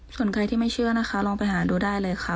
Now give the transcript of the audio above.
ส่วนใครที่ไม่เชื่อนะคะลองไปหาดูได้เลยค่ะ